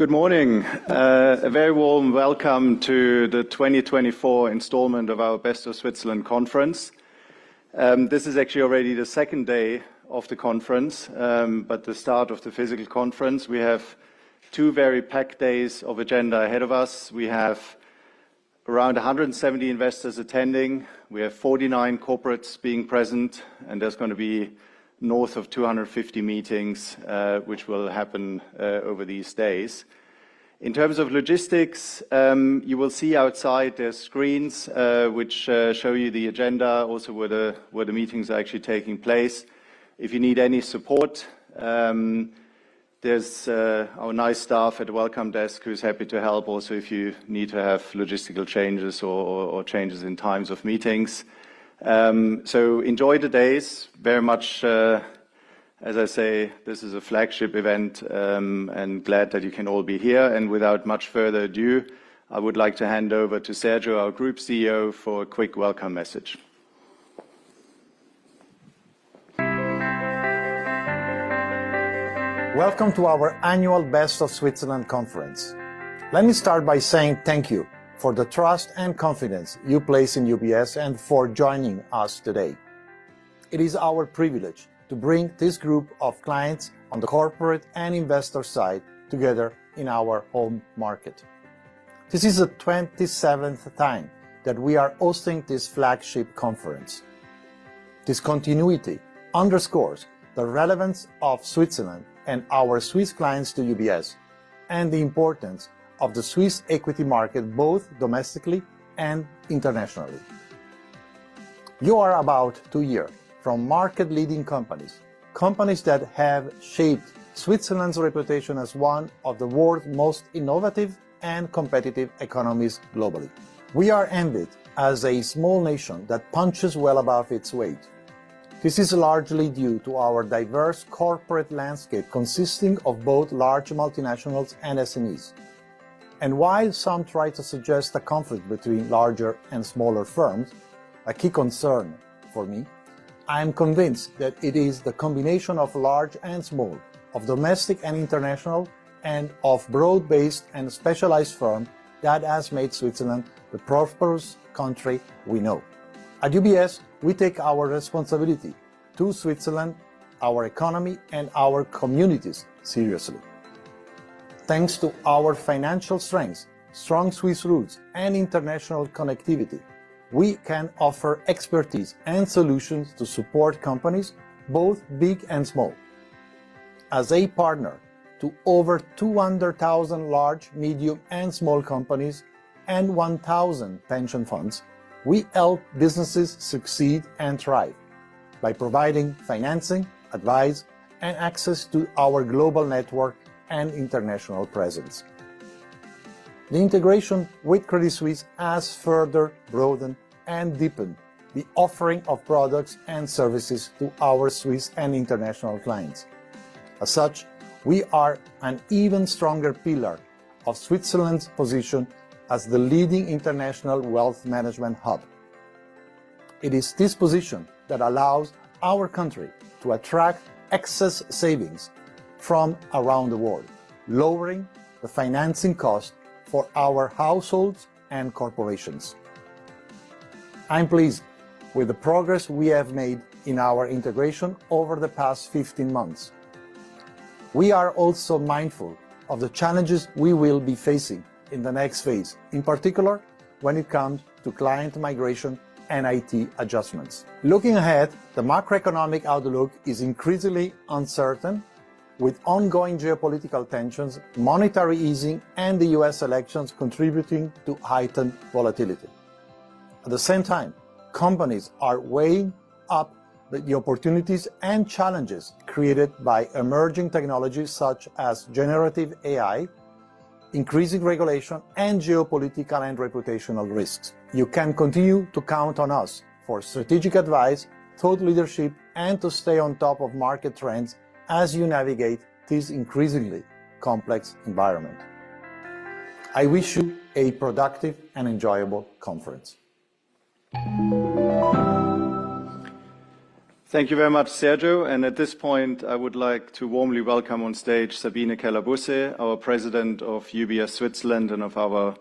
Good morning. A very warm welcome to the 2024 Installment of our Best of Switzerland Conference. This is actually already the second day of the conference, but the start of the physical conference. We have two very packed days of agenda ahead of us. We have around 170 investors attending. We have 49 corporates being present, and there's gonna be north of 250 meetings, which will happen over these days. In terms of logistics, you will see outside there's screens, which show you the agenda, also where the meetings are actually taking place. If you need any support, there's our nice staff at the welcome desk who's happy to help. Also, if you need to have logistical changes or changes in times of meetings. Enjoy the days very much. As I say, this is a flagship event, and glad that you can all be here. Without much further ado, I would like to hand over to Sergio, our Group CEO, for a quick welcome message. Welcome to our Annual Best of Switzerland Conference. Let me start by saying thank you for the trust and confidence you place in UBS and for joining us today. It is our privilege to bring this group of clients on the corporate and investor side together in our home market. This is the 27th time that we are hosting this flagship conference. This continuity underscores the relevance of Switzerland and our Swiss clients to UBS, and the importance of the Swiss equity market, both domestically and internationally. You are about to hear from market-leading companies, companies that have shaped Switzerland's reputation as one of the world's most innovative and competitive economies globally. We are envied as a small nation that punches well above its weight. This is largely due to our diverse corporate landscape, consisting of both large multinationals and SMEs. And while some try to suggest a conflict between larger and smaller firms, a key concern for me, I am convinced that it is the combination of large and small, of domestic and international, and of broad-based and specialized firm, that has made Switzerland the prosperous country we know. At UBS, we take our responsibility to Switzerland, our economy, and our communities seriously. Thanks to our financial strengths, strong Swiss roots, and international connectivity, we can offer expertise and solutions to support companies, both big and small. As a partner to over 200,000 large, medium, and small companies and 1,000 pension funds, we help businesses succeed and thrive by providing financing, advice, and access to our global network and international presence. The integration with Credit Suisse has further broadened and deepened the offering of products and services to our Swiss and international clients. As such, we are an even stronger pillar of Switzerland's position as the leading international wealth management hub. It is this position that allows our country to attract excess savings from around the world, lowering the financing cost for our households and corporations. I'm pleased with the progress we have made in our integration over the past 15 months. We are also mindful of the challenges we will be facing in the next phase, in particular, when it comes to client migration and IT adjustments. Looking ahead, the macroeconomic outlook is increasingly uncertain, with ongoing geopolitical tensions, monetary easing, and the U.S. elections contributing to heightened volatility. At the same time, companies are weighing up the opportunities and challenges created by emerging technologies such as generative AI, increasing regulation, and geopolitical and reputational risks. You can continue to count on us for strategic advice, thought leadership, and to stay on top of market trends as you navigate this increasingly complex environment. I wish you a productive and enjoyable conference. Thank you very much, Sergio, and at this point I would like to warmly welcome on stage Sabine Keller-Busse, our President of UBS Switzerland, and of our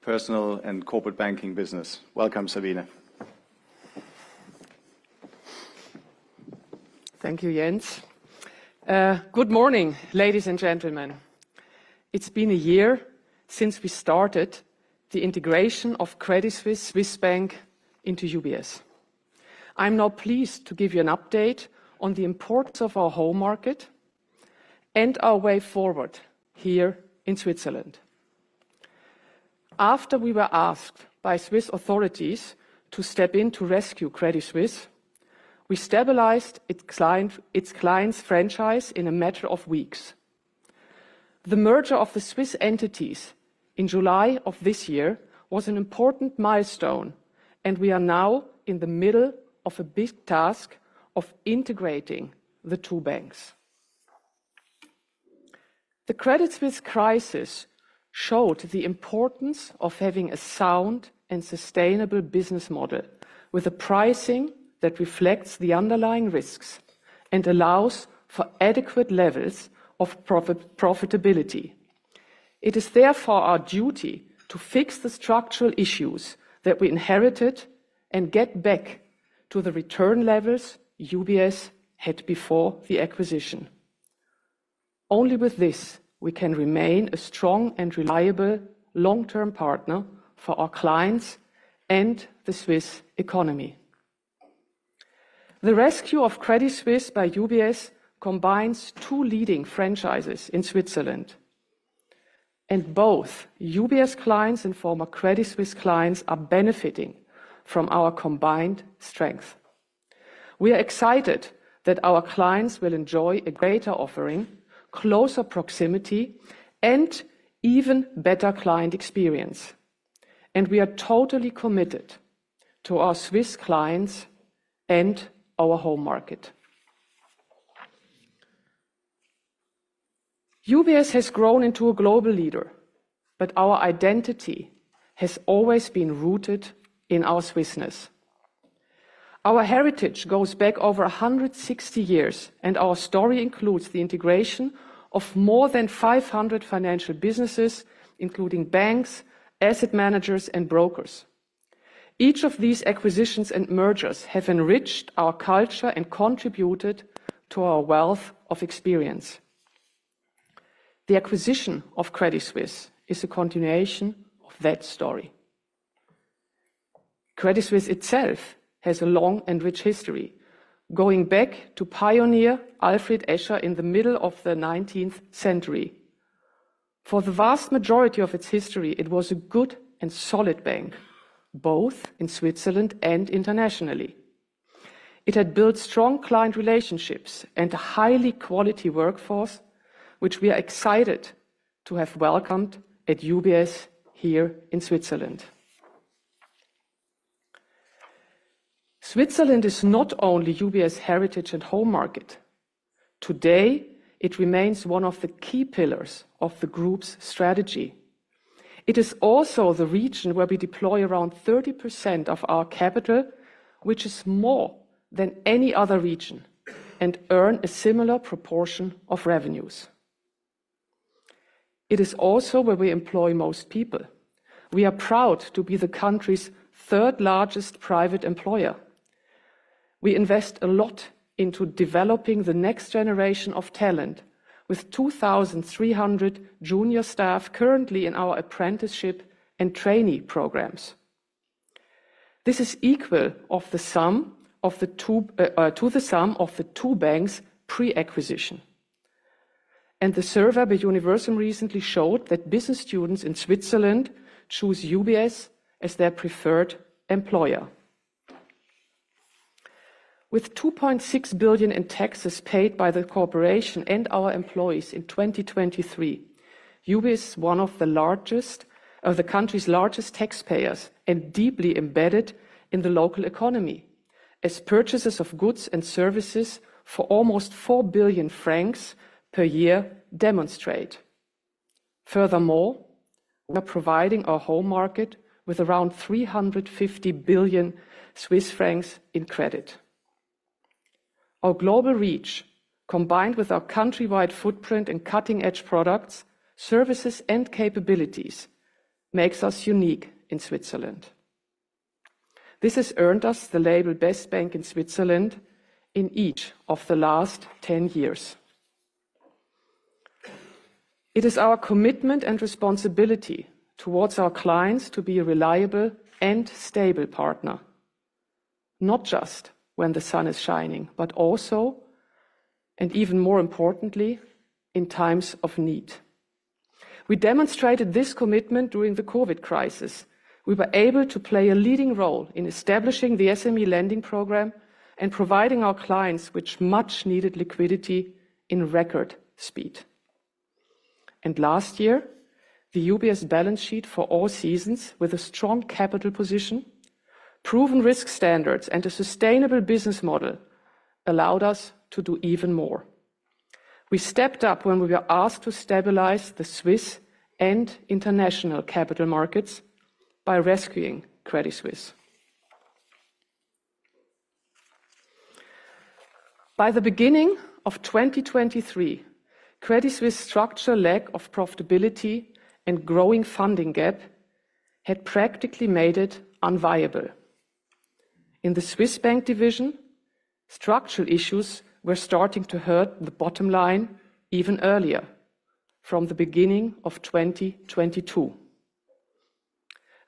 Personal and Corporate Banking business. Welcome, Sabine. Thank you, Jens. Good morning, ladies and gentlemen. It's been a year since we started the integration of Credit Suisse, Swiss Bank into UBS. I'm now pleased to give you an update on the importance of our home market and our way forward here in Switzerland. After we were asked by Swiss authorities to step in to rescue Credit Suisse, we stabilized its client, its client's franchise in a matter of weeks. The merger of the Swiss entities in July of this year was an important milestone, and we are now in the middle of a big task of integrating the two banks. The Credit Suisse crisis showed the importance of having a sound and sustainable business model, with a pricing that reflects the underlying risks and allows for adequate levels of profitability. It is therefore our duty to fix the structural issues that we inherited, and get back to the return levels UBS had before the acquisition. Only with this, we can remain a strong and reliable long-term partner for our clients and the Swiss economy. The rescue of Credit Suisse by UBS combines two leading franchises in Switzerland, and both UBS clients and former Credit Suisse clients are benefiting from our combined strength. We are excited that our clients will enjoy a greater offering, closer proximity, and even better client experience, and we are totally committed to our Swiss clients and our home market. UBS has grown into a global leader, but our identity has always been rooted in our Swissness. Our heritage goes back over 160 years, and our story includes the integration of more than 500 financial businesses, including banks, asset managers and brokers. Each of these acquisitions and mergers have enriched our culture and contributed to our wealth of experience. The acquisition of Credit Suisse is a continuation of that story. Credit Suisse itself has a long and rich history, going back to pioneer Alfred Escher in the middle of the 19th century. For the vast majority of its history, it was a good and solid bank, both in Switzerland and internationally. It had built strong client relationships and a highly quality workforce, which we are excited to have welcomed at UBS here in Switzerland. Switzerland is not only UBS heritage and home market. Today, it remains one of the key pillars of the group's strategy. It is also the region where we deploy around 30% of our capital, which is more than any other region, and earn a similar proportion of revenues. It is also where we employ most people. We are proud to be the country's third largest private employer. We invest a lot into developing the next generation of talent, with 2,300 junior staff currently in our apprenticeship and trainee programs. This is equal to the sum of the two banks' pre-acquisition. And the survey by Universum recently showed that business students in Switzerland choose UBS as their preferred employer. With 2.6 billion in taxes paid by the corporation and our employees in 2023, UBS is one of the country's largest taxpayers, and deeply embedded in the local economy, as purchases of goods and services for almost 4 billion francs per year demonstrate. Furthermore, we are providing our home market with around 350 billion Swiss francs in credit. Our global reach, combined with our country-wide footprint and cutting-edge products, services, and capabilities, makes us unique in Switzerland. This has earned us the label Best Bank in Switzerland in each of the last 10 years. It is our commitment and responsibility towards our clients to be a reliable and stable partner, not just when the sun is shining, but also, and even more importantly, in times of need. We demonstrated this commitment during the COVID crisis. We were able to play a leading role in establishing the SME lending program and providing our clients with much-needed liquidity in record speed. And last year, the UBS balance sheet for all seasons, with a strong capital position, proven risk standards, and a sustainable business model, allowed us to do even more. We stepped up when we were asked to stabilize the Swiss and international capital markets by rescuing Credit Suisse. By the beginning of 2023, Credit Suisse structural lack of profitability and growing funding gap had practically made it unviable. In the Swiss bank division, structural issues were starting to hurt the bottom line even earlier, from the beginning of 2022.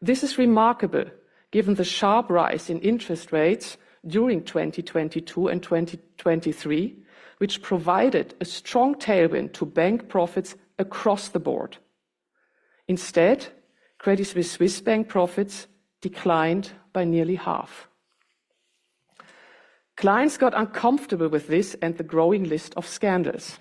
This is remarkable, given the sharp rise in interest rates during 2022 and 2023, which provided a strong tailwind to bank profits across the board. Instead, Credit Suisse Swiss bank profits declined by nearly half. Clients got uncomfortable with this and the growing list of scandals.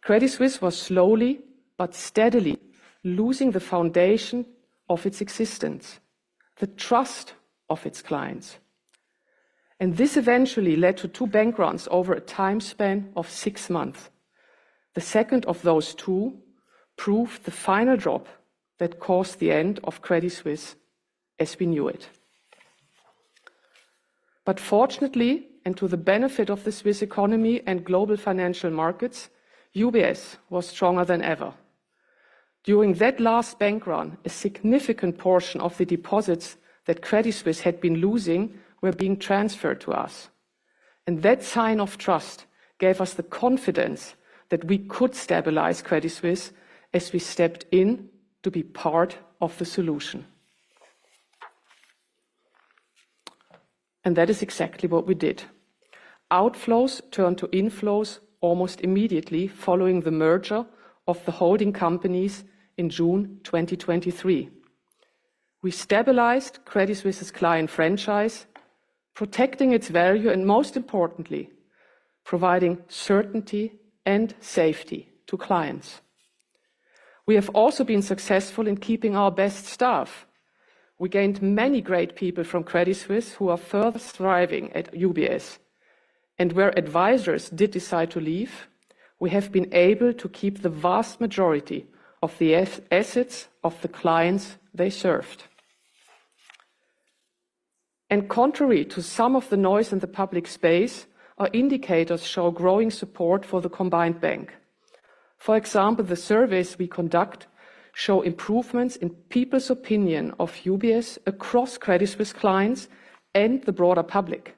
Credit Suisse was slowly but steadily losing the foundation of its existence, the trust of its clients... and this eventually led to two bank runs over a time span of six months. The second of those two proved the final drop that caused the end of Credit Suisse as we knew it. Fortunately, and to the benefit of the Swiss economy and global financial markets, UBS was stronger than ever. During that last bank run, a significant portion of the deposits that Credit Suisse had been losing were being transferred to us, and that sign of trust gave us the confidence that we could stabilize Credit Suisse as we stepped in to be part of the solution. That is exactly what we did. Outflows turned to inflows almost immediately following the merger of the holding companies in June 2023. We stabilized Credit Suisse's client franchise, protecting its value, and most importantly, providing certainty and safety to clients. We have also been successful in keeping our best staff. We gained many great people from Credit Suisse who are further thriving at UBS. And where advisors did decide to leave, we have been able to keep the vast majority of the assets of the clients they served. Contrary to some of the noise in the public space, our indicators show growing support for the combined bank. For example, the surveys we conduct show improvements in people's opinion of UBS across Credit Suisse clients and the broader public.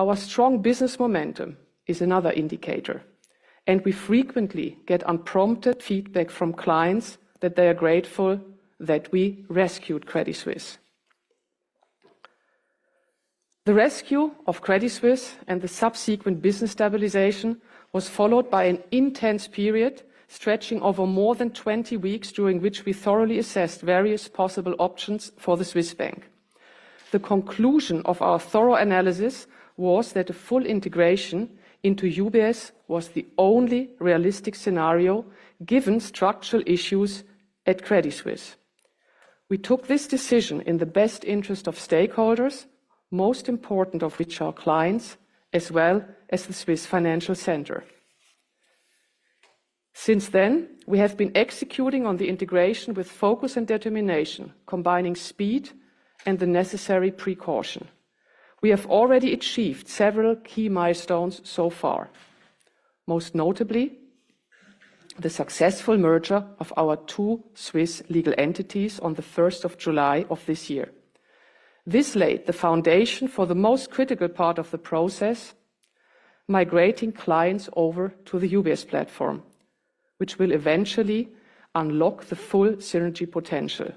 Our strong business momentum is another indicator, and we frequently get unprompted feedback from clients that they are grateful that we rescued Credit Suisse. The rescue of Credit Suisse and the subsequent business stabilization was followed by an intense period, stretching over more than twenty weeks, during which we thoroughly assessed various possible options for the Swiss bank. The conclusion of our thorough analysis was that a full integration into UBS was the only realistic scenario, given structural issues at Credit Suisse. We took this decision in the best interest of stakeholders, most important of which are clients, as well as the Swiss financial center. Since then, we have been executing on the integration with focus and determination, combining speed and the necessary precaution. We have already achieved several key milestones so far, most notably the successful merger of our two Swiss legal entities on the first of July of this year. This laid the foundation for the most critical part of the process, migrating clients over to the UBS platform, which will eventually unlock the full synergy potential.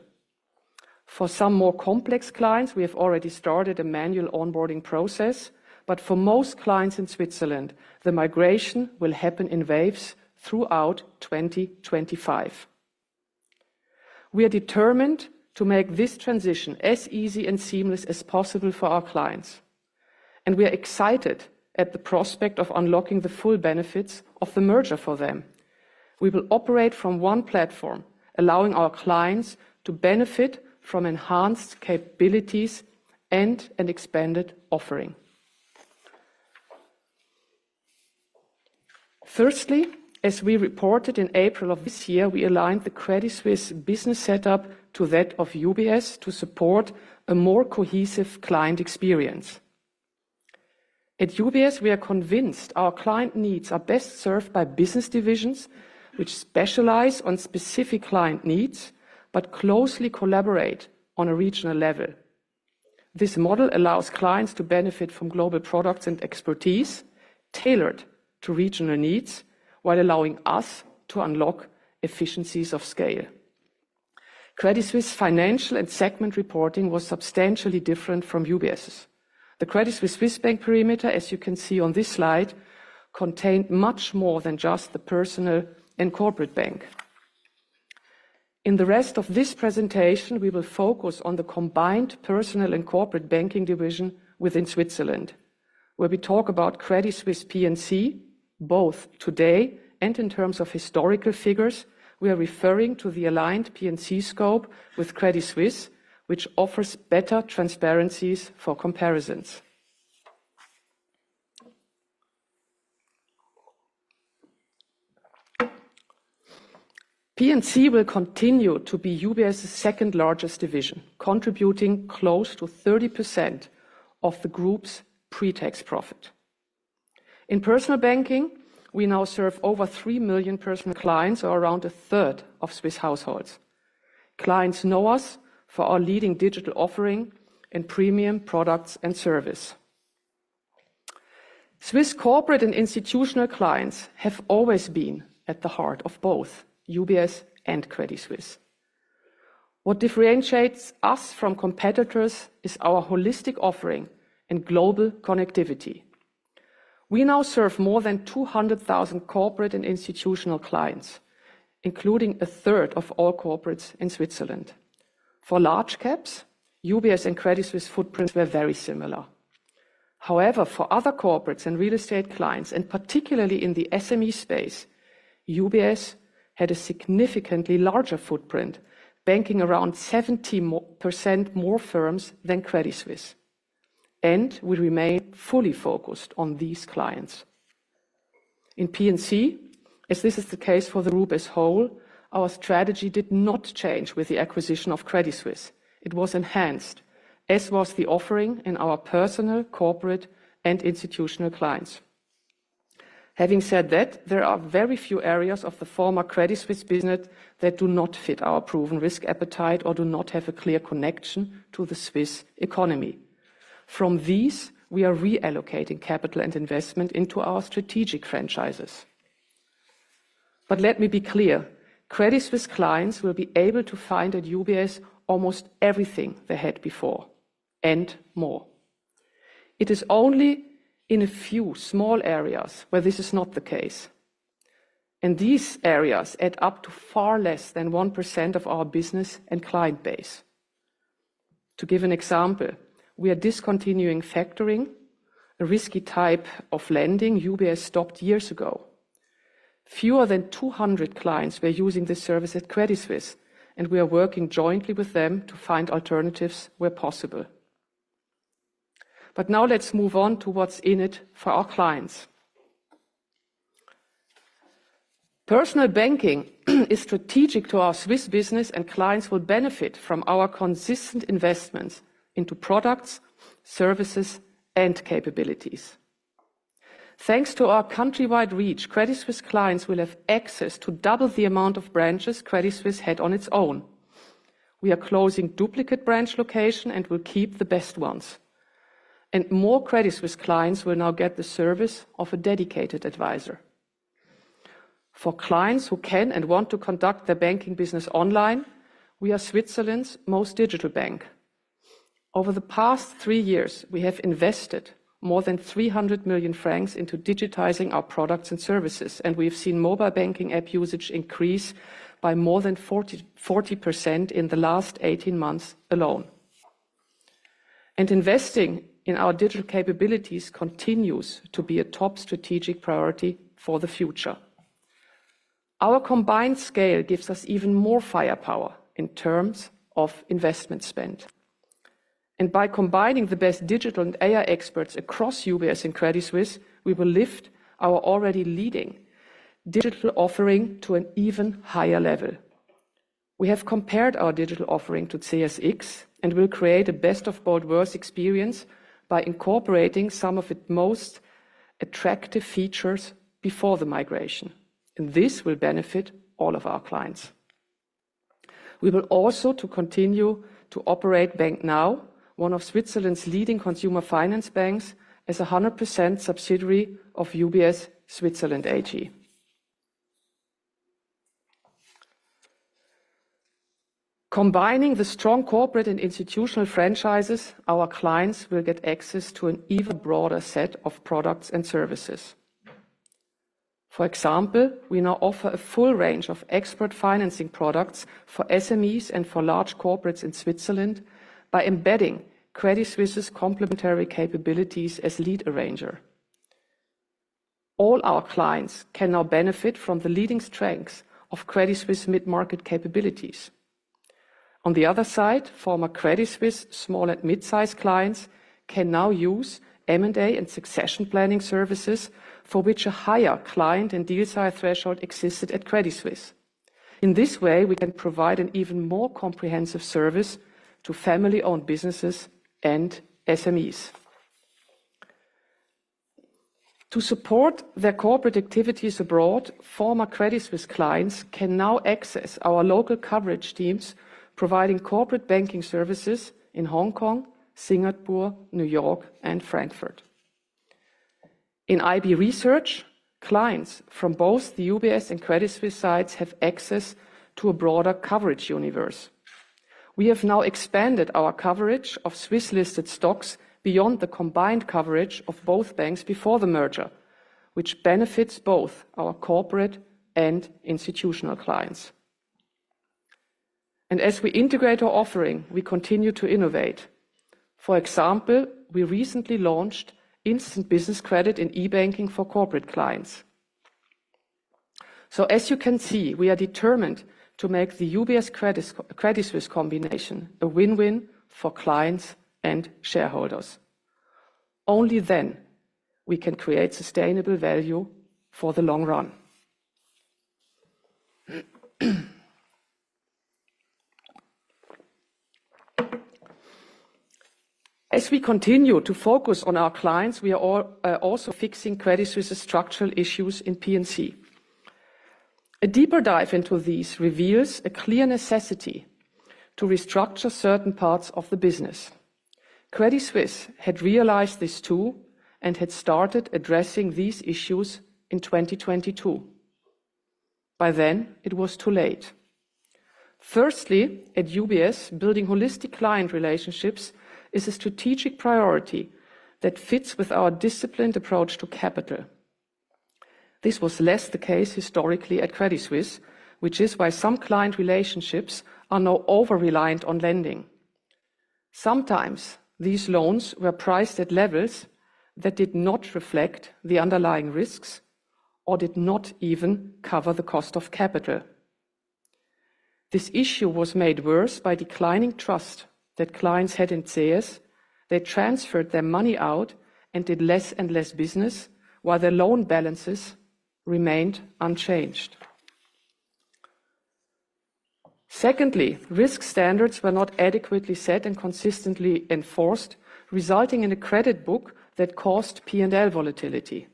For some more complex clients, we have already started a manual onboarding process, but for most clients in Switzerland, the migration will happen in waves throughout twenty twenty-five. We are determined to make this transition as easy and seamless as possible for our clients, and we are excited at the prospect of unlocking the full benefits of the merger for them. We will operate from one platform, allowing our clients to benefit from enhanced capabilities and an expanded offering. Firstly, as we reported in April of this year, we aligned the Credit Suisse business setup to that of UBS to support a more cohesive client experience. At UBS, we are convinced our client needs are best served by business divisions, which specialize on specific client needs, but closely collaborate on a regional level. This model allows clients to benefit from global products and expertise tailored to regional needs, while allowing us to unlock efficiencies of scale. Credit Suisse financial and segment reporting was substantially different from UBS's. The Credit Suisse Swiss bank perimeter, as you can see on this slide, contained much more than just the personal and corporate bank. In the rest of this presentation, we will focus on the combined personal and corporate banking division within Switzerland. Where we talk about Credit Suisse P&C, both today and in terms of historical figures, we are referring to the aligned P&C scope with Credit Suisse, which offers better transparency for comparisons. P&C will continue to be UBS's second largest division, contributing close to 30% of the group's pre-tax profit. In personal banking, we now serve over three million personal clients or around a third of Swiss households. Clients know us for our leading digital offering and premium products and service. Swiss corporate and institutional clients have always been at the heart of both UBS and Credit Suisse. What differentiates us from competitors is our holistic offering and global connectivity. We now serve more than two hundred thousand corporate and institutional clients, including a third of all corporates in Switzerland. For large caps, UBS and Credit Suisse footprints were very similar. However, for other corporates and real estate clients, and particularly in the SME space, UBS had a significantly larger footprint, banking around 70% more firms than Credit Suisse, and we remain fully focused on these clients. In P&C, as this is the case for the group as a whole, our strategy did not change with the acquisition of Credit Suisse. It was enhanced, as was the offering in our personal, corporate, and institutional clients. Having said that, there are very few areas of the former Credit Suisse business that do not fit our proven risk appetite or do not have a clear connection to the Swiss economy. From these, we are reallocating capital and investment into our strategic franchises. But let me be clear, Credit Suisse clients will be able to find at UBS almost everything they had before, and more. It is only in a few small areas where this is not the case, and these areas add up to far less than 1% of our business and client base. To give an example, we are discontinuing factoring, a risky type of lending UBS stopped years ago. Fewer than 200 clients were using this service at Credit Suisse, and we are working jointly with them to find alternatives where possible. But now let's move on to what's in it for our clients. Personal banking is strategic to our Swiss business, and clients will benefit from our consistent investments into products, services, and capabilities. Thanks to our country-wide reach, Credit Suisse clients will have access to double the amount of branches Credit Suisse had on its own. We are closing duplicate branch location and will keep the best ones. And more Credit Suisse clients will now get the service of a dedicated advisor. For clients who can and want to conduct their banking business online, we are Switzerland's most digital bank. Over the past three years, we have invested more than 300 million francs into digitizing our products and services, and we've seen mobile banking app usage increase by more than 40% in the last 18 months alone. Investing in our digital capabilities continues to be a top strategic priority for the future. Our combined scale gives us even more firepower in terms of investment spend. By combining the best digital and AI experts across UBS and Credit Suisse, we will lift our already leading digital offering to an even higher level. We have compared our digital offering to CSX, and we'll create a best of both worlds experience by incorporating some of its most attractive features before the migration, and this will benefit all of our clients. We will also continue to operate Bank-now, one of Switzerland's leading consumer finance banks, as a 100% subsidiary of UBS Switzerland AG. Combining the strong corporate and institutional franchises, our clients will get access to an even broader set of products and services. For example, we now offer a full range of expert financing products for SMEs and for large corporates in Switzerland by embedding Credit Suisse's complementary capabilities as lead arranger. All our clients can now benefit from the leading strengths of Credit Suisse mid-market capabilities. On the other side, former Credit Suisse small and mid-sized clients can now use M&A and succession planning services, for which a higher client and DSI threshold existed at Credit Suisse. In this way, we can provide an even more comprehensive service to family-owned businesses and SMEs. To support their corporate activities abroad, former Credit Suisse clients can now access our local coverage teams, providing corporate banking services in Hong Kong, Singapore, New York, and Frankfurt. In IB research, clients from both the UBS and Credit Suisse sides have access to a broader coverage universe. We have now expanded our coverage of Swiss-listed stocks beyond the combined coverage of both banks before the merger, which benefits both our corporate and institutional clients. And as we integrate our offering, we continue to innovate. For example, we recently launched Instant Business Credit and e-banking for corporate clients. So as you can see, we are determined to make the UBS Credit Su- Credit Suisse combination a win-win for clients and shareholders. Only then we can create sustainable value for the long run. As we continue to focus on our clients, we are also fixing Credit Suisse's structural issues in P&C. A deeper dive into these reveals a clear necessity to restructure certain parts of the business. Credit Suisse had realized this too and had started addressing these issues in twenty twenty-two. By then, it was too late. Firstly, at UBS, building holistic client relationships is a strategic priority that fits with our disciplined approach to capital. This was less the case historically at Credit Suisse, which is why some client relationships are now over-reliant on lending. Sometimes these loans were priced at levels that did not reflect the underlying risks or did not even cover the cost of capital. This issue was made worse by declining trust that clients had in CS. They transferred their money out and did less and less business, while their loan balances remained unchanged. Secondly, risk standards were not adequately set and consistently enforced, resulting in a credit book that caused P&L volatility.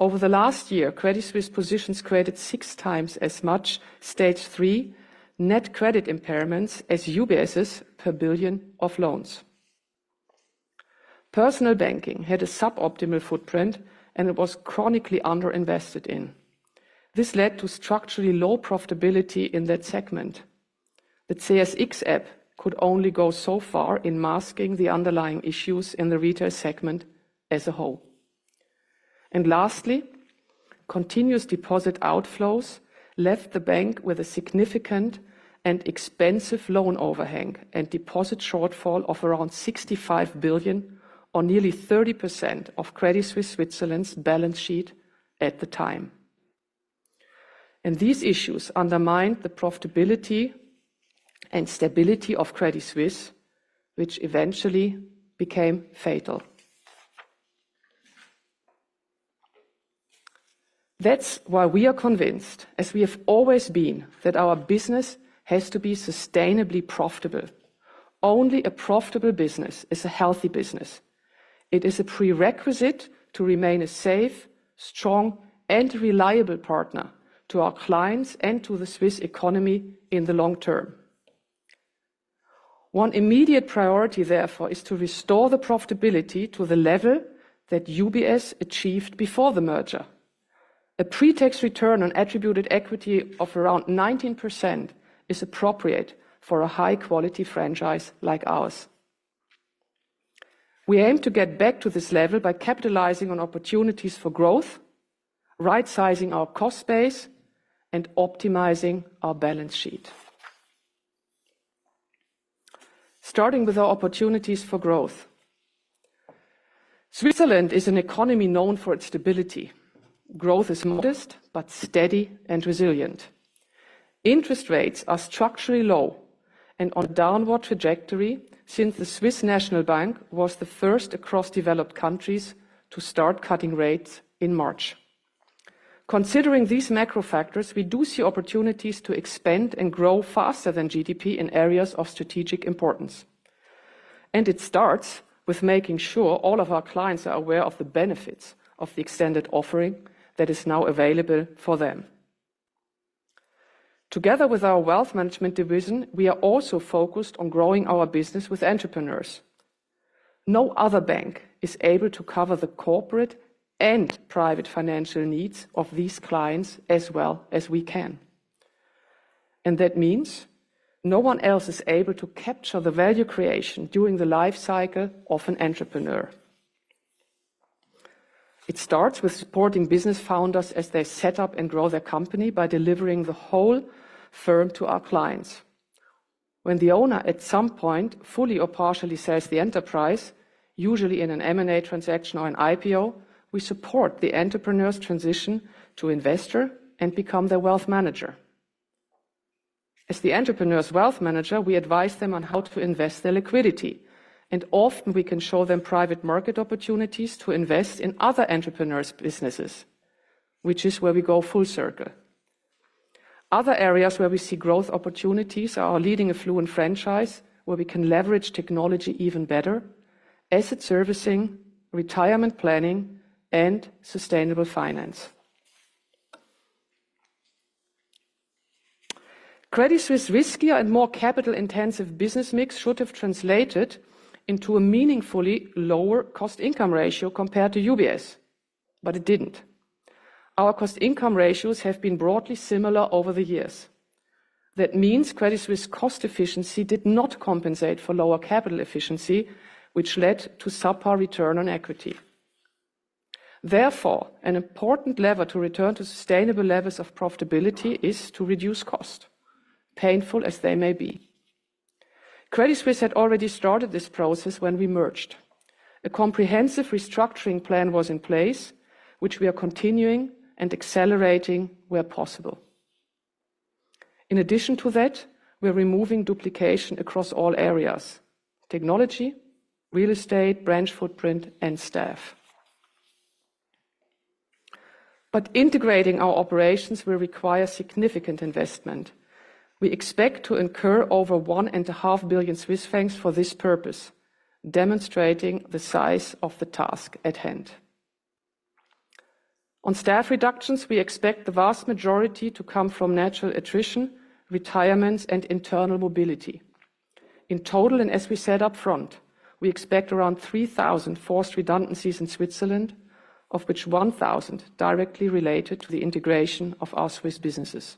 Over the last year, Credit Suisse positions created six times as much Stage III Net Credit Impairments as UBS's per billion of loans. Personal banking had a suboptimal footprint, and it was chronically underinvested in. This led to structurally low profitability in that segment. The CSX app could only go so far in masking the underlying issues in the retail segment as a whole. And lastly, continuous deposit outflows left the bank with a significant and expensive loan overhang and deposit shortfall of around 65 billion, or nearly 30% of Credit Suisse Switzerland's balance sheet at the time. And these issues undermined the profitability and stability of Credit Suisse, which eventually became fatal. That's why we are convinced, as we have always been, that our business has to be sustainably profitable. Only a profitable business is a healthy business. It is a prerequisite to remain a safe, strong, and reliable partner to our clients and to the Swiss economy in the long term. One immediate priority, therefore, is to restore the profitability to the level that UBS achieved before the merger. A pre-tax return on attributed equity of around 19% is appropriate for a high-quality franchise like ours. We aim to get back to this level by capitalizing on opportunities for growth, right-sizing our cost base, and optimizing our balance sheet. Starting with our opportunities for growth. Switzerland is an economy known for its stability. Growth is modest, but steady and resilient. Interest rates are structurally low and on a downward trajectory since the Swiss National Bank was the first across developed countries to start cutting rates in March. Considering these macro factors, we do see opportunities to expand and grow faster than GDP in areas of strategic importance, and it starts with making sure all of our clients are aware of the benefits of the extended offering that is now available for them. Together with our Wealth Management division, we are also focused on growing our business with entrepreneurs. No other bank is able to cover the corporate and private financial needs of these clients as well as we can, and that means no one else is able to capture the value creation during the life cycle of an entrepreneur. It starts with supporting business founders as they set up and grow their company by delivering the whole firm to our clients. When the owner, at some point, fully or partially sells the enterprise, usually in an M&A transaction or an IPO, we support the entrepreneur's transition to investor and become their wealth manager. As the entrepreneur's wealth manager, we advise them on how to invest their liquidity, and often we can show them private market opportunities to invest in other entrepreneurs' businesses, which is where we go full circle. Other areas where we see growth opportunities are our leading affluent franchise, where we can leverage technology even better, asset servicing, retirement planning, and sustainable finance. Credit Suisse riskier and more capital-intensive business mix should have translated into a meaningfully lower cost-income ratio compared to UBS, but it didn't. Our cost-income ratios have been broadly similar over the years. That means Credit Suisse cost efficiency did not compensate for lower capital efficiency, which led to subpar return on equity. Therefore, an important lever to return to sustainable levels of profitability is to reduce cost, painful as they may be. Credit Suisse had already started this process when we merged. A comprehensive restructuring plan was in place, which we are continuing and accelerating where possible. In addition to that, we're removing duplication across all areas: technology, real estate, branch footprint, and staff. But integrating our operations will require significant investment. We expect to incur over 1.5 billion Swiss francs for this purpose, demonstrating the size of the task at hand. On staff reductions, we expect the vast majority to come from natural attrition, retirements, and internal mobility. In total, and as we said up front, we expect around 3,000 forced redundancies in Switzerland, of which 1,000 directly related to the integration of our Swiss businesses.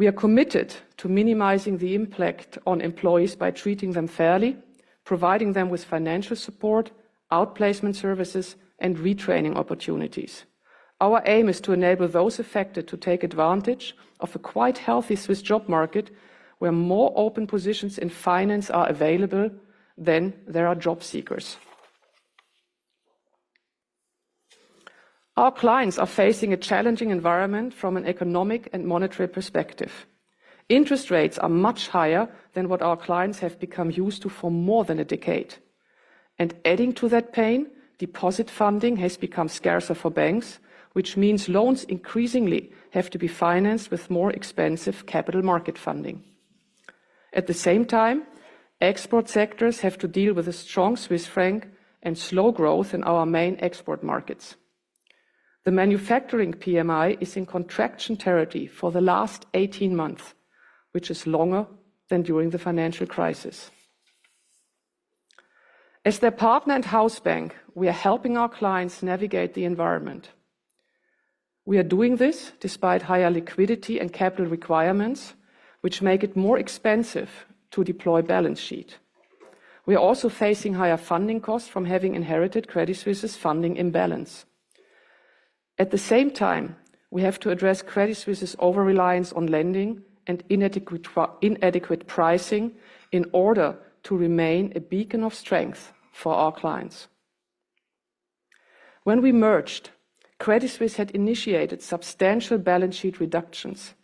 We are committed to minimizing the impact on employees by treating them fairly, providing them with financial support, outplacement services, and retraining opportunities. Our aim is to enable those affected to take advantage of a quite healthy Swiss job market, where more open positions in finance are available than there are job seekers. Our clients are facing a challenging environment from an economic and monetary perspective. Interest rates are much higher than what our clients have become used to for more than a decade, and adding to that pain, deposit funding has become scarcer for banks, which means loans increasingly have to be financed with more expensive capital market funding. At the same time, export sectors have to deal with a strong Swiss franc and slow growth in our main export markets. The manufacturing PMI is in contraction territory for the last 18 months, which is longer than during the financial crisis. As their partner and house bank, we are helping our clients navigate the environment. We are doing this despite higher liquidity and capital requirements, which make it more expensive to deploy balance sheet. We are also facing higher funding costs from having inherited Credit Suisse's funding imbalance. At the same time, we have to address Credit Suisse's over-reliance on lending and inadequate pricing in order to remain a beacon of strength for our clients. When we merged, Credit Suisse had initiated substantial balance sheet reductions.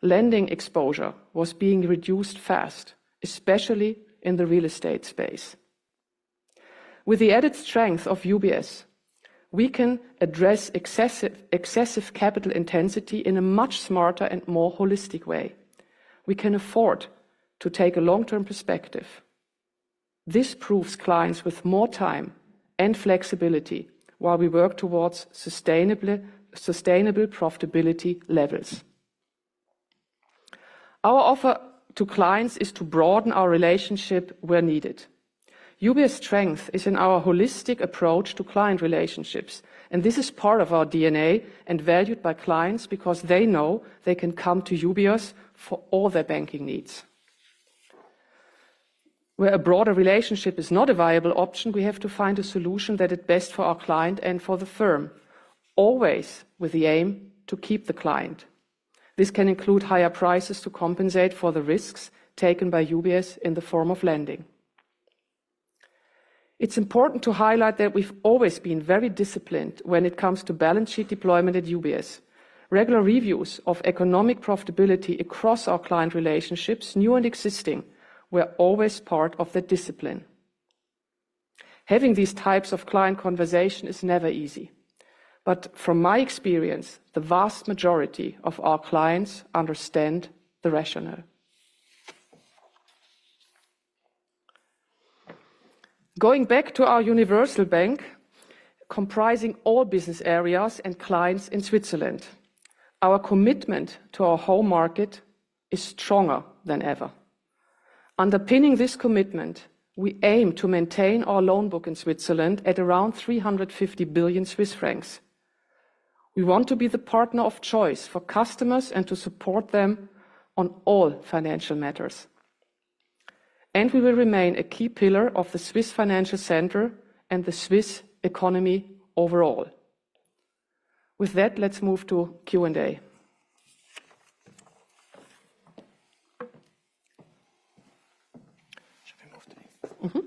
Lending exposure was being reduced fast, especially in the real estate space. With the added strength of UBS, we can address excessive capital intensity in a much smarter and more holistic way. We can afford to take a long-term perspective. This provides clients with more time and flexibility while we work towards sustainable profitability levels. Our offer to clients is to broaden our relationship where needed. UBS strength is in our holistic approach to client relationships, and this is part of our DNA and valued by clients because they know they can come to UBS for all their banking needs. Where a broader relationship is not a viable option, we have to find a solution that is best for our client and for the firm, always with the aim to keep the client. This can include higher prices to compensate for the risks taken by UBS in the form of lending. It's important to highlight that we've always been very disciplined when it comes to balance sheet deployment at UBS. Regular reviews of economic profitability across our client relationships, new and existing, were always part of the discipline. Having these types of client conversation is never easy, but from my experience, the vast majority of our clients understand the rationale. Going back to our universal bank, comprising all business areas and clients in Switzerland, our commitment to our home market is stronger than ever. Underpinning this commitment, we aim to maintain our loan book in Switzerland at around 350 billion Swiss francs. We want to be the partner of choice for customers and to support them on all financial matters. And we will remain a key pillar of the Swiss Financial Center and the Swiss economy overall. With that, let's move to Q&A. Should we move to there? Mm-hmm.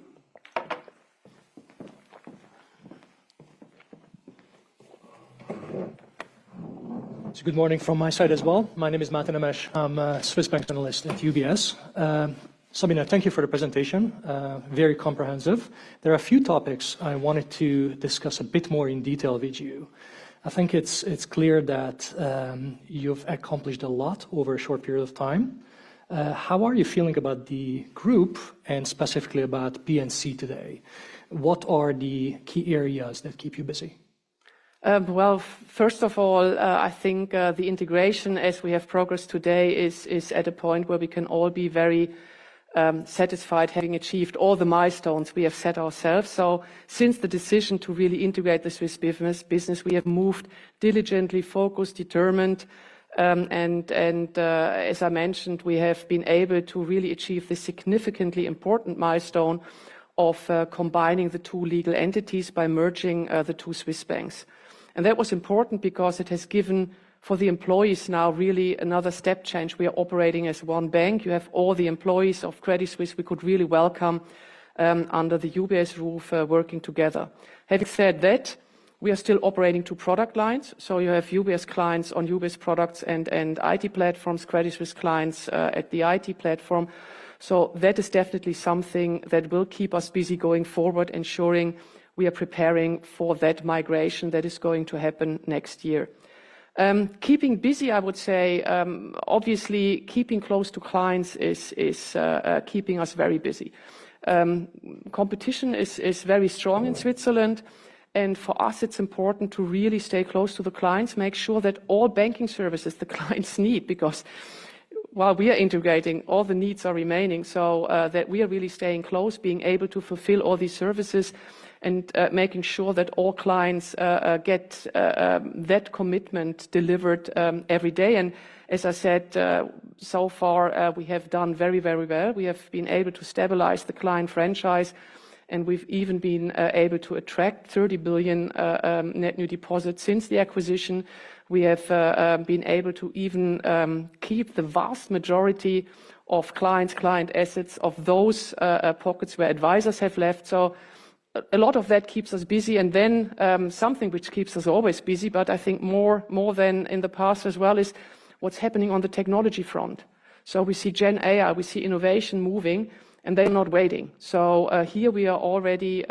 Good morning from my side as well. My name is Mate Nemes. I'm a Swiss bank analyst at UBS. Sabine, thank you for the presentation. Very comprehensive. There are a few topics I wanted to discuss a bit more in detail with you. I think it's, it's clear that you've accomplished a lot over a short period of time. How are you feeling about the group and specifically about P&C today? What are the key areas that keep you busy? Well, first of all, I think the integration as we have progressed today is at a point where we can all be very satisfied, having achieved all the milestones we have set ourselves. So since the decision to really integrate the Swiss business, we have moved diligently, focused, determined, and as I mentioned, we have been able to really achieve the significantly important milestone of combining the two legal entities by merging the two Swiss banks. And that was important because it has given, for the employees now, really another step change. We are operating as one bank. You have all the employees of Credit Suisse, we could really welcome under the UBS roof, working together. Having said that, we are still operating two product lines, so you have UBS clients on UBS products and IT platforms, Credit Suisse clients at the IT platform. So that is definitely something that will keep us busy going forward, ensuring we are preparing for that migration that is going to happen next year. Keeping busy, I would say, obviously, keeping close to clients is keeping us very busy. Competition is very strong in Switzerland, and for us, it's important to really stay close to the clients, make sure that all banking services the clients need, because while we are integrating, all the needs are remaining, so that we are really staying close, being able to fulfill all these services and making sure that all clients get that commitment delivered every day. And as I said, so far, we have done very, very well. We have been able to stabilize the client franchise, and we've even been able to attract 30 billion net new deposits since the acquisition. We have been able to even keep the vast majority of clients, client assets, of those pockets where advisors have left. So a lot of that keeps us busy, and then, something which keeps us always busy, but I think more, more than in the past as well, is what's happening on the technology front. So we see GenAI, we see innovation moving, and they're not waiting. So, here we are already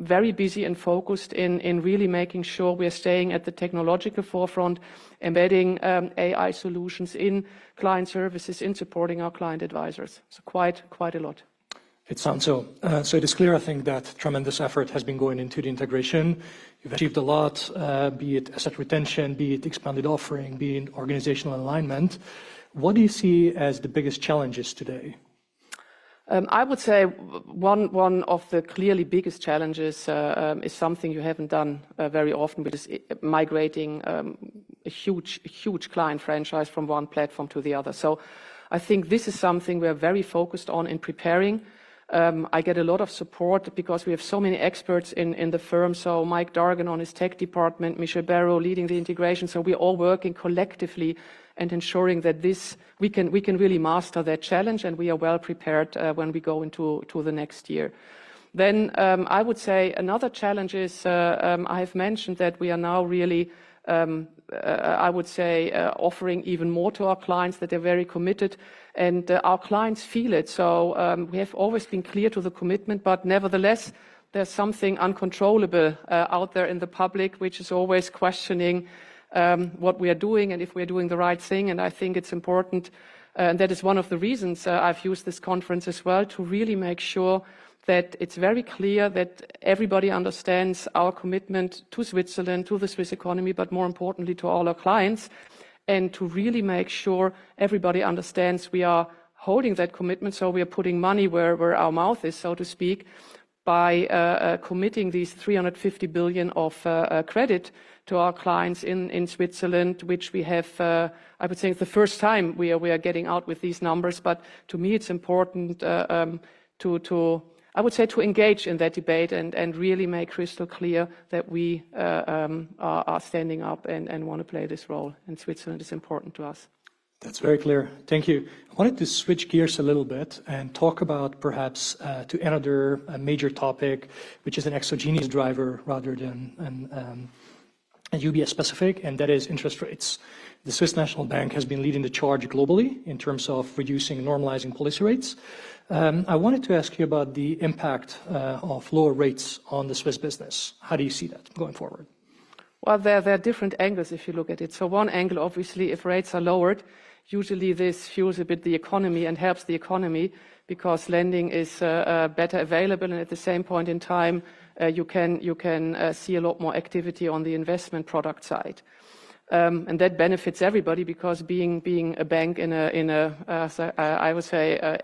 very busy and focused in really making sure we are staying at the technological forefront, embedding AI solutions in client services, in supporting our client advisors. Quite, quite a lot. It sounds so. So it is clear, I think, that tremendous effort has been going into the integration. You've achieved a lot, be it asset retention, be it expanded offering, be it organizational alignment. What do you see as the biggest challenges today? I would say one of the clearly biggest challenges is something you haven't done very often, which is migrating a huge client franchise from one platform to the other. So I think this is something we are very focused on in preparing. I get a lot of support because we have so many experts in the firm, so Mike Dargan on his tech department, Michelle Bereaux, leading the integration, so we're all working collectively and ensuring that we can really master that challenge, and we are well prepared when we go into the next year. Then, I would say another challenge is. I have mentioned that we are now really, I would say, offering even more to our clients, that they're very committed, and our clients feel it. So, we have always been clear to the commitment, but nevertheless, there's something uncontrollable out there in the public, which is always questioning what we are doing and if we're doing the right thing. And I think it's important, and that is one of the reasons I've used this conference as well, to really make sure that it's very clear that everybody understands our commitment to Switzerland, to the Swiss economy, but more importantly, to all our clients, and to really make sure everybody understands we are holding that commitment. So we are putting money where our mouth is, so to speak, by committing 350 billion of credit to our clients in Switzerland, which we have. I would say it's the first time we are getting out with these numbers, but to me, it's important to, I would say, engage in that debate and really make crystal clear that we are standing up and want to play this role, and Switzerland is important to us. That's very clear. Thank you. I wanted to switch gears a little bit and talk about perhaps to another major topic, which is an exogenous driver rather than a UBS specific, and that is interest rates. The Swiss National Bank has been leading the charge globally in terms of reducing and normalizing policy rates. I wanted to ask you about the impact of lower rates on the Swiss business. How do you see that going forward? There are different angles if you look at it, so one angle, obviously, if rates are lowered, usually this fuels a bit the economy and helps the economy because lending is better available, and at the same point in time, you can see a lot more activity on the investment product side, and that benefits everybody because being a bank in an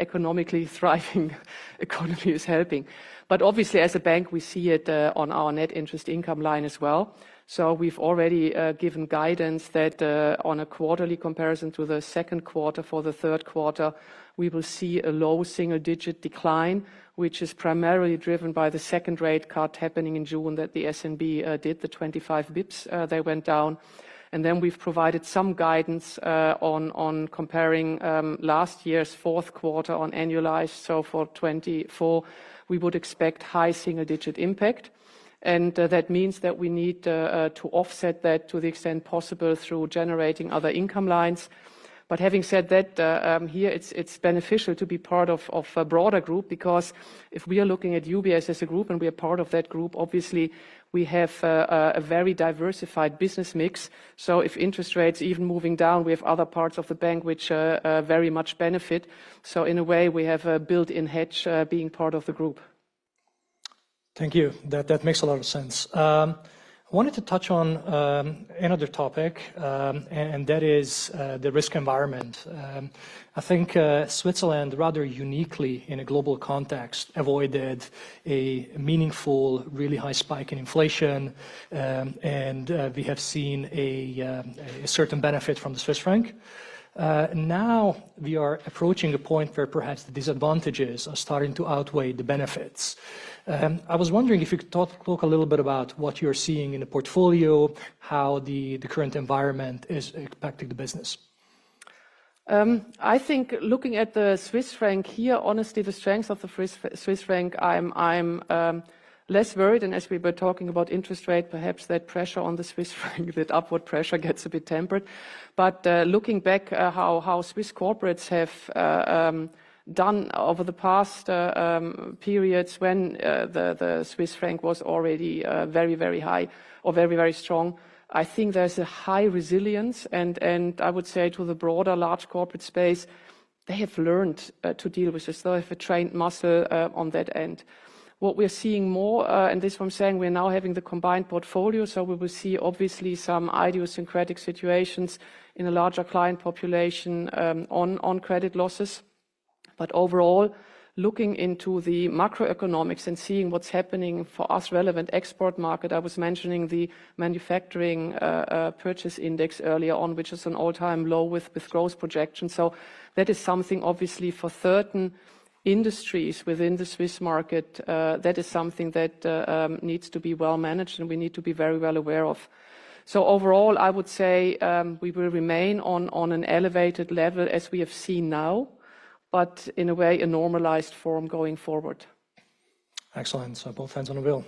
economically thriving economy is helping, but obviously, as a bank, we see it on our net interest income line as well. We've already given guidance that on a quarterly comparison to the second quarter for the third quarter, we will see a low single-digit decline, which is primarily driven by the second rate cut happening in June that the SNB did, the 25 basis points they went down. We've provided some guidance on comparing last year's fourth quarter on annualized. For 2024, we would expect high single-digit impact, and that means that we need to offset that to the extent possible through generating other income lines. Having said that, here it's beneficial to be part of a broader group, because if we are looking at UBS as a group, and we are part of that group, obviously, we have a very diversified business mix. So if interest rates even moving down, we have other parts of the bank which very much benefit. So in a way, we have a built-in hedge being part of the group. Thank you. That makes a lot of sense. I wanted to touch on another topic, and that is the risk environment. I think Switzerland, rather uniquely in a global context, avoided a meaningful, really high spike in inflation, and we have seen a certain benefit from the Swiss franc. Now we are approaching a point where perhaps the disadvantages are starting to outweigh the benefits. I was wondering if you could talk a little bit about what you're seeing in the portfolio, how the current environment is impacting the business. I think looking at the Swiss franc here, honestly, the strength of the Swiss franc, I'm less worried. As we were talking about interest rate, perhaps that pressure on the Swiss franc, that upward pressure gets a bit tempered. Looking back at how Swiss corporates have done over the past periods when the Swiss franc was already very, very high or very, very strong, I think there's a high resilience, and I would say to the broader large corporate space, they have learned to deal with this. They have a trained muscle on that end. What we're seeing more, and this from saying we are now having the combined portfolio, so we will see obviously some idiosyncratic situations in a larger client population on credit losses. But overall, looking into the macroeconomics and seeing what's happening for us relevant export market, I was mentioning the manufacturing Purchasing Managers' Index earlier on, which is an all-time low with growth projections. So that is something obviously for certain industries within the Swiss market that needs to be well managed and we need to be very well aware of. So overall, I would say we will remain on an elevated level, as we have seen now, but in a way a normalized form going forward. Excellent. So both ends on the wheel,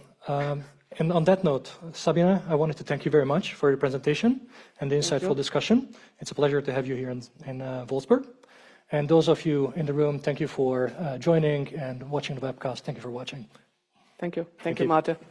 and on that note, Sabine, I wanted to thank you very much for your presentation- Thank you. and the insightful discussion. It's a pleasure to have you here in Wolfsberg. And those of you in the room, thank you for joining and watching the webcast. Thank you for watching. Thank you. Thank you. Thank you, Mate.